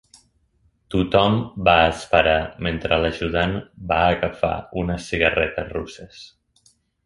Tothom va esperar mentre l'ajudant va agafar unes cigarretes russes.